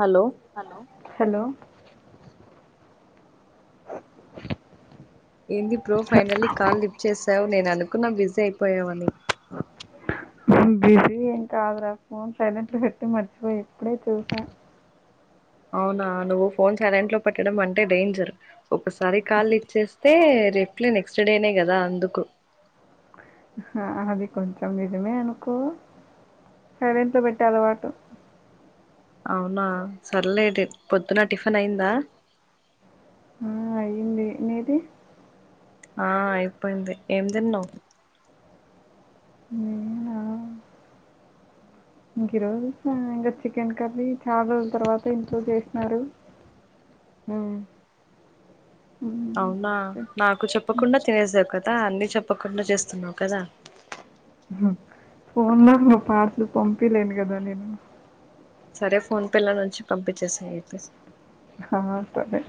Hello hello! [inaudible] ఏంది pro finally call lift చేసావు నేన్ అనుకున్నా బిజీ అయిపోయావని బిజీ ఏం కాదు రా ఫోన్ సైలెంట్లో పెట్టి మర్చిపోయి ఇప్పుడే చూసా. అవునా నువ్వు ఫోన్ సాలెంట్లో పట్టడం అంటే డేంజర్ ఒకసారి కాల్ లిఫ్ట్ చేస్తే రిప్లై నెక్స్ట్ డేనే కదా అందుకు ఆ అది కొంచం నిజమే అనుకో సైలెంట్లో పెట్టే అలవాటు అవునా సర్లే పొద్దున్న టిఫిన్ అయిందా? ఆ అయ్యింది నీదీ? ఆ అయిపోయింది ఏం తిన్నవ్ నేనా ఇంక ఈ రోజు చూసా ఇంకా చికెన్ కర్రీ చాలా రోజుల్ తర్వాత ఇంట్లో చేసినారు. [inaudible] మ్ అవునా నాకు చెప్పకుండా తినేసావ్ క అ అన్ని చెప్పకుండా చేస్తున్నావ్ కదా ఫోన్లో మా పార్సులు పంపిలేను కదా నేను సరే ఫోన్ పేన్ల నుంచి పంపించెసేయ్ అయితే ఆ సరే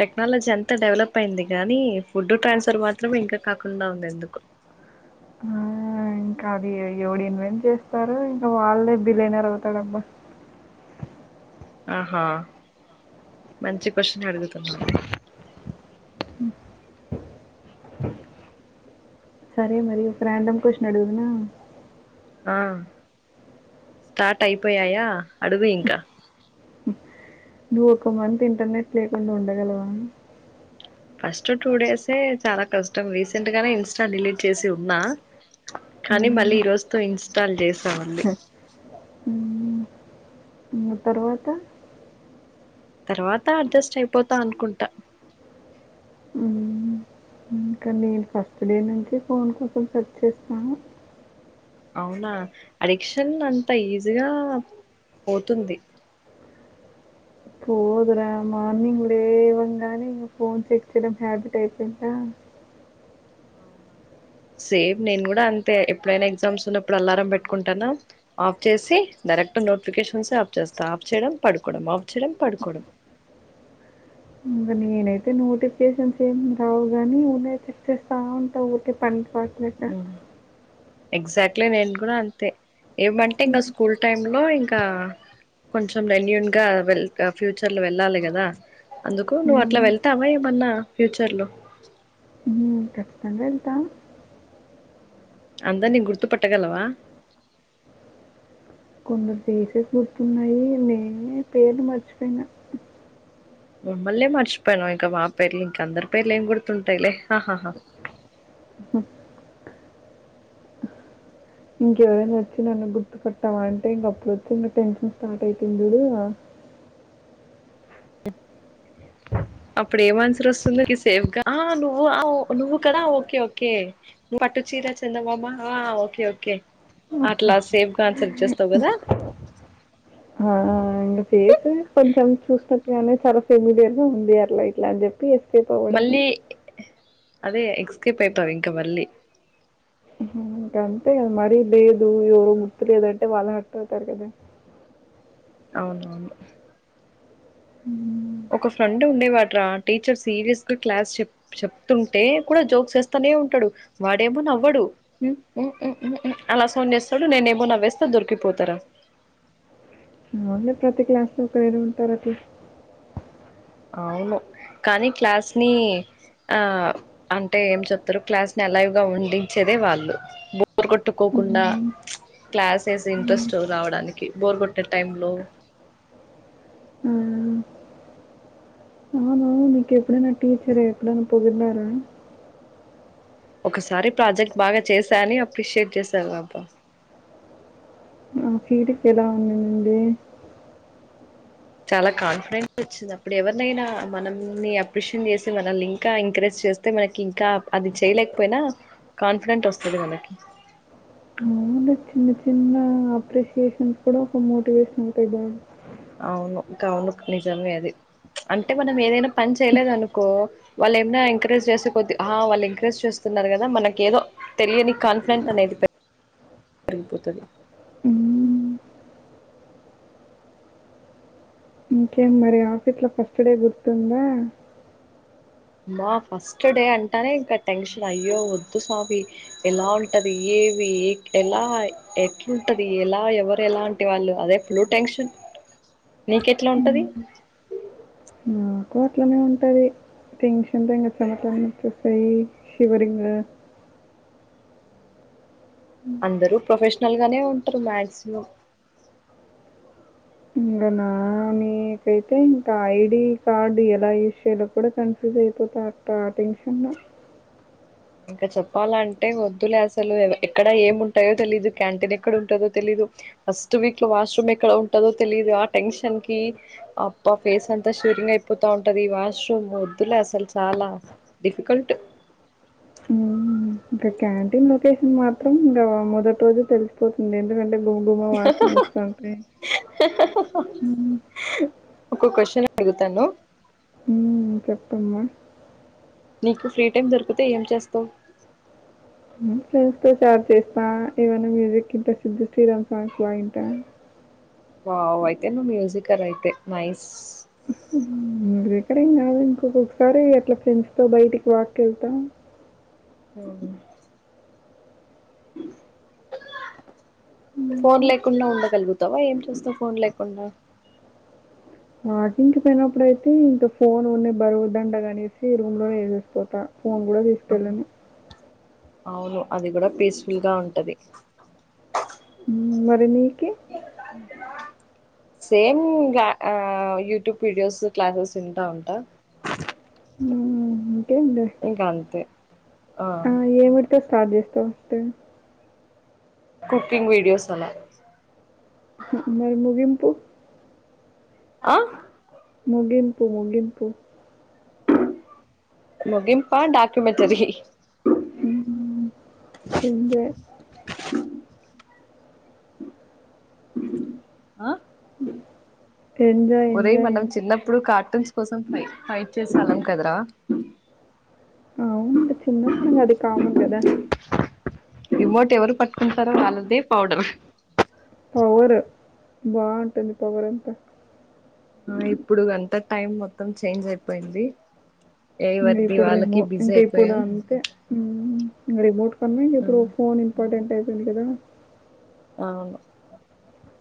టెక్నాలజీ అంతా డెవలప్ అయింది గానీ ఫుడ్ ట్రాన్స్ఫర్ మాత్రమే ఇంకా కాకుండా ఉంది ఎందుకో ఆ ఇంకా అది ఎవడు ఇన్వెంట్ చేస్తారో ఇంకా వాళ్ళే బిలినియర్ అవుతాడమ్మా ఆహా మంచి క్వశ్చన్ అడుగుతున్నవ్ లే సరే మరి ఒక రాండమ్ క్వశ్చన్ అడుగుదునా ఆ స్టార్ట్ అయిపోయాయా అడుగు ఇంక నువ్వు ఒక మంత్ ఇంటర్నెట్ లేకుండా ఉండగలవా ఫస్ట్ టూ డేసే చాలా కష్టం రీసెంట్ గానే ఇన్స్టా డిలీట్ చేసి ఉన్నా కానీ హ్మ్. మళ్ళీ ఈ రోజుతో ఇన్స్టాల్ చేసామళ్ళీ మ్ తర్వాత తర్వాత అడ్జస్ట్ అయిపోతా అనుకుంటా హ్మ్. ఇంకా నేను ఫస్ట్ డే నుంచి ఫోన్ కోసం సర్చ్ చేస్తాను అవునా అడిక్షన్ అంత ఈజీగా పోతుంది పోదురా మార్నింగ్ లేవంగానే ఇగ ఫోన్ చెక్ చేయడం హ్యాబిట్ అయిపోయిందా [inaudible] అవునా సేమ్ నేను గూడా అంతే ఎప్పుడైనా ఎగ్జామ్స్ ఉన్నప్పుడు అలారం పెట్టుకుంటానా ఆఫ్ చేసి ద నెట్ నోటిఫికేషన్స్ ఆఫ్ చేస్తా ఆఫ్ చేయడం పడుకోడం ఆఫ్ చేయడం పడుకోడం ఆ [inaudible] ఇంగ నేనైతే నోటిఫికేషన్స్ ఏమి రావు గాని ఉన్నయ్ చెక్ చేస్తా ఉంటా ఊరికే పన్ పాటలేక ఎగ్జాట్లీ నేను గూడా అంతే ఏమంటే ఇంకా స్కూల్ టైమ్ లో ఇంక్ ఇంకా కొంచెం వెన్యూన్ గా వెల్ ఫ్యూచర్ లో వెళ్ళాలి గదా అందుకు నువ్వు అట్లా హ్మ్. వెళ్తావా ఏమన్నా ఫ్యూచర్ లో మ్ ఖచ్చితంగా వెళ్తా అందరిని నీ గుర్తుపట్టగలవా కొందరు ఫెసేస్ గుర్తున్నాయి నేనే పేర్లు మర్చిపోయినా మమ్మల్లే మర్చిపోయినావు ఇంక మా పేర్లు ఇంక అందరి పేర్లు ఏం గుర్తుంటాయిలే ఆహాహా హు ఇంకెవరైనా వచ్చి నన్ను గుర్తుపట్టావా అంటే ఇంక అప్పుడు వచ్చి ఇంకా టెన్షన్ స్టార్ట్ అయితుంది జూడు ఆ [inaudible] అప్పుడు ఏం అన్సర్ వస్తుంది సేఫ్ గా ఆ నువ్వు నువ్వు కదా ఓకే ఓకే పట్టు చీరా చందమామ ఆ ఓకే ఓకే అట్లా సేఫ్ గా ఆన్సర్ ఇచ్చేస్తావు గదా [inaudible] ఆ ఇంగ ఫేస్ కొంచెం చూసినట్టుగానే చాలా ఫేమీలియర్గా ఉంది అట్లా ఇట్లా అని చెప్పి సేఫ్ అవ్వడమే మళ్ళీ అదే ఎక్ స్కేప్ అయితావ్ ఇంక వెళ్ళి ఇంక అంతే గదా మరీ లేదు ఎవరు గుర్తులేదంటే వాళ్ళు హట్ అవుతారు గదా అ [inaudible] అవునవును ఊ ఒక ఫ్రెండ్ ఉండేవాట్రా టీచర్ సీరియస్ గా క్లాస్ చె చెప్తుంటే కూడా జోక్స్ చేస్ తనే ఉంటడు వాడేమో నవ్వడు అలా సౌండ్ చేస్తాడు నేనేమో నవ్వేస్తా దొరికిపోతారా మామూలే ప్రతి క్లాస్ లో ఒకరైన ఉంటారు అట్లా అవును కానీ క్లాస్ ని ఆ అంటే ఏం చెప్తారు క్లాస్ ని అలైవ్ గా ఉండించేదే వాళ్ళు బొరుకోట్టుకోకుండా ఉమ్. క్లాసెస్ ఇంట్రెస్ట్ రావడానికి బోర్ కొట్టే టైంలో హ్మ్మ్ మీకి ఎప్పుడైనా టీచర్ ఎప్పుడైనా పొగిడినార ఒకసారి ప్రాజెక్ట్ బాగా చేశా అని అప్రిషియేట్ చేశారబ్బా ఆ ఫీలింగ్ ఎలా ఉనినింది చాలా కాన్ఫిడెన్ట్ వచ్చింది అప్పుడు ఎవరినైనా మనల్ని అప్రిషియేట్ చేసి మనల్ని ఇంకా ఎంకరేజ్ చేస్తే మనకి ఇంకా అది చేయలేకపోయినా కాన్ఫిడెంట్ వస్తది మనకి అవును చిన్న చిన్న అప్రిషయేషన్స్ కూడా ఒక మోటివేషన్ ఉంటాయి కదం అవును కవును నిజమే అది అంటే మనం ఏదైనా పని చేయలేదనుకో వాళ్ళు ఏమన్న ఎంకరేజ్ చేస్తే కొద్ది అ వాళ్ళు ఎంకరేజ్ చేస్ స్తున్నారు కదా మనకి ఏదో తెలియని కాన్ఫిడెంట్ అనేది పే అయిపోతది హ్మ్. ఇంకేం మరి ఆఫీస్లో ఫస్ట్ డే గుర్తుందా మా ఫస్ట్ డే అంటానే ఇంకా టెన్షన్ అయ్యో వద్దు స్వామి ఎలా ఉంటది ఇవి ఎలా ఎట్లుంటది ఎలా ఎవరు ఎలంటి వాళ్ళు అదే ఫుల్ టెన్షన్ నీకెట్లా ఉంటది మాకు అట్లనే ఉంటది టెన్షన్ లో చెమట్లన్ని వచ్చేస్తాయి పై శివరింగు అందరూ ప్రొఫెషనల్ గానే ఉంటారు మాక్సిమం ఇంకా నానికైతే ఇంకా ఐడి కార్డ్ ఎలా యూస్ చేయాలో కూడా కన్ఫ్యూజ్ అయి ఇంకా అప్పుడు ఆ టెన్షన్ల ఇంకా చెప్పాలంటే వద్దులే అసలు ఎక్కడ ఏముంటయో తెలీదు క్యాంటీన్ ఎక్కడ ఉంటదో తెలీదు ఫస్ట్ వీక్ లో వాష్రూమ్ ఎక్కడ ఉంటదొ తెలిదు ఆ టెన్షన్ కి ఫేస్ అంత ఉరికనే అయిపోతా ఉంటది వాష్రూమ్ వద్దులే అసలు చాలా డిఫికల్ట్ మ్మ్. ఇంకా క్యాంటీన్ లొకేషన్ మాత్రం ఇంకా మొదటి రోజు తెలిసిపోతుంది ఎందుకంటే గుమ గుమ వాసనలోస్తత ఉంటాయి అగుతాను మ్మ్ చెప్పమ్మా నీకు ఫ్రీ టైం దొరికితే ఏం చేస్తావు ఫ్రెండ్స్ తో చాట్ చేస్తా ఏమైనా మ్యూజిక్ కింటే సిద్దు శ్రీరామ్ సాంగ్స్ బాగింటా వావ్ అయితే నువ్ మ్యూజికర్ అయితే నైస్ [unintelligible] రేం కాదు ఇంకొకొసారి అట్లా ఫ్రెండ్స్ తో బయటికి వాక్కేళ్తా మ్ ఫోన్ ఇంకా లేకుండా ఉండగలుగు తవా ఏం చేస్తావ్ ఫోన్ లేకుండా వాకింగ్ కి పోయినప్పుడైతే ఇంకా ఫోన్ ఉన్న బరువుదండగా అనేసి రూమ్ లోనే వేసేసుపో అ ఫోన్ కూడా తీసుకెళ్ళను అవును అది కూడా పీస్ఫుల్గా ఉంటది మరిని ఇ [inaudible] సేమ్ గా యూట్యూబ్ వీడియోస్ క్లాసెస్ వింటా ఉంటా ఊ ఇంక అంతే ఆ స్టార్ట్ చేస్తవ్ కె కుకింగ్ వీడియోస్ అలా మరి ముగిం ఆ ముగింపు ముగింపు ముగిింపా డాక్యుమెంటరి హ్మ్. ఎంజాయ్. ఆ ఎంజాయ్, ఉదయ్ ఎంజాయ్ మనం అంటే చిన్నప్పుడు కార్టూన్స్ కోసం ఫై ఫైట్ చేసేల్లం కదరా అవును ఇంక చిన్నప్పుడు మడి అది కామన్ కదా రిమోట్ ఎవరు పట్టుకుంటారో వాళదే పౌడరు పవర్ బాగుంటుంది పవర్ అంతా ఆ ఇప్పుడు అంతా టైం మొత్తం చేంజ్ అయిపోయింది ఇంగ ఎవరిది ఇప్పుడు వాళ్ళకి రిమోట్ బిజీ ఇంకా ఇప్పుడు అయిపోయాం అంతే ఇంగ రిమోట్ కన్నా ఇంక ఇప్పుడు ఫోన్ ఇంపార్టెంట్ అయిపోయింది కదా అవును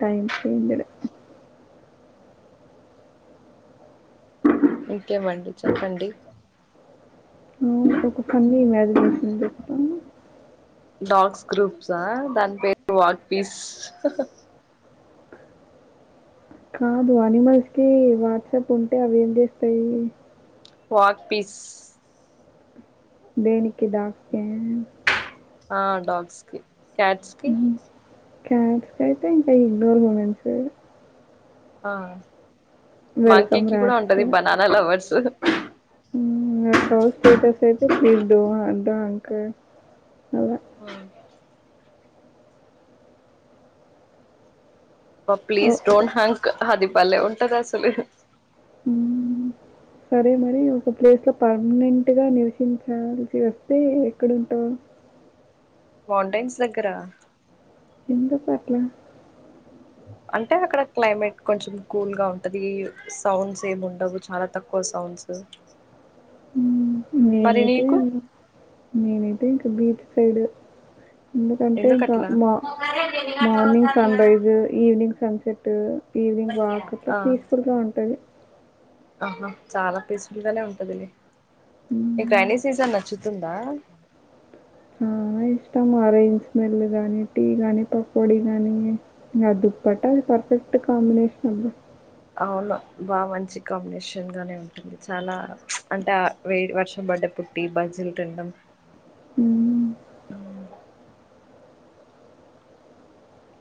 టైమ్ చెంజ్డ్ ఇంకేమండి చెప్పండి అవును ఒక ఫన్నీ ఇమాజినేషన్ చెప్తాను డాగ్స్ గ్రూప్సా దాని పేరు వాటిస్ కాదు అనిమల్స్ కి వాట్సాప్ ఉంటే అవి ఏం చేస్తాయి వాక్పీీస్ దేనికి దాస్తే ఆ డాగ్స్ కి క్యాట్స్ కి క్యాట్స్ కయితే ఇంకా ఇగనోర్ మూమెంట్సు ఆ వెల్కమ్ మాంకికి కూడా ఉంటది బనానా లవర్స్ మ్ ఇంగ కావ్ స్టేటస్ అయితే ప్లీస్ డు ఆ గ అంక ఆ బ ఓ ప్లీజ్ డోంట్ హంక్ హది బలే ఉంటది అసలు ఊ సరే మరి ఒక ప్లేస్ లో పర్మనెంట్ గా నివసించాల్సి వస్తే ఎక్కడుంటావు వు మాౌంటైన్స్ దగ్గరా ఎందుకట్లా అంటే అక్కడ క్లైమేట్ కొంచెం కూల్ గా ఉంటది సౌండ్స్ ఏం ఉండవు చాలా తక్కువ సౌండ్ సౌండ్స్ మరి నేనైతే నీకు నేనైతే ఇంక బీట్ పేడు ఎందుకంటే ఇంకా ఎందుకట్లా మా morning sunrise evening sunset evening walk అట్లా ఆ పీస్ ఫుల్ గా ఉంటది ఆహా చాలా పీస్ఫుల్ గానే ఉంటది నీకు హ్మ్. రైనీ సీసన్ నచ్చుతు తుందా ఉ వ్ ఇష్టం రైన్ స్మెల్ కాగానీ టీ కాగాని పకోడి కాగానీ ఇంకా దుప్పట్ట అది పర్ బెస్ట్ కాంబినేషన్ ఉన్ను అవును బా మంచి కాంబినేషన్ గానే ఉంటుంది చాలా అంటే వెడ్ వర్షం బడ ప్పుడు టీ బజ్జీ తినడం ఉ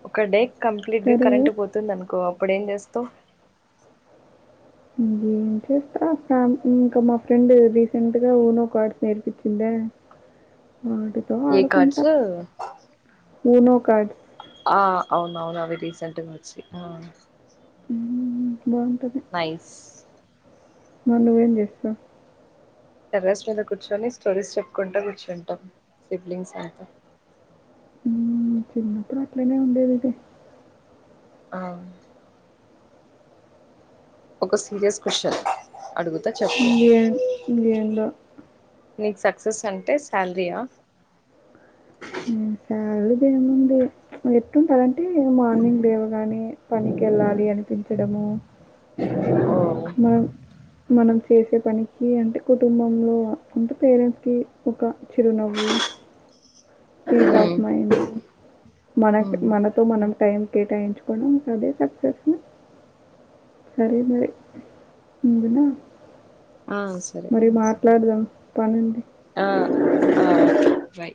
ఒక డే కంప్లీట్ గా సరే కరెంట్ పోతుంది అనుకో అప్పుడు ఏం చేస్తావ్ ఇ ఏం చేస్తాం ఫ్యా ఇంకా మా ఫ్రెండ్ రీసెంట్ గా ఊనో కార్డ్స్ నేర్పించిందా వాటితో ఏ కార్డ్స్ ఆడుకుంటా ఉనో కార్డ్స్ ఆ అవున అవును అవి రీసెంట్గా వచ్చి ఆ హు బాగుంటది నైస్ మరి నువ్వేం చేస్తావ్ టెర్రస్ మీద కూర్చొని స్టడీస్ చెప్పుకుంట కూర్చుంటాం సిబ్లింగ్స్ అంత ఉమ్ చిన్నప్పుడు అట్లనే ఉండేదే అవున్ ఒక సీరియస్ క్వశ్చన్ అడుగుతా చెప్పు ఇంకేం ఇంకేందో నీకు సక్సెస్ అంటే శాలరీయా ఉమ్ శాలరీది ఏం ఉంది ఎటు టే మార్నింగ్ లేవగానే పనికి వెళ్ళాలి అనిపించడము ఓ బా మనం చేసే పనికి అంటే కుటుంబంలో అంటే పేరెంట్స్ కి ఒక చిరునవ్వు ఉ పీస్ ఆఫ్ మైండ్ మన మనతో మనం టైం కేటాయించుకో కోవడం అదే సక్సెస్ సరే మరి ఉండనా ఆ సరే మరి మాట్లాడదాం పనుంది ఆ ఆ బై